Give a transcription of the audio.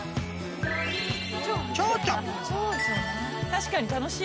確かに楽しい。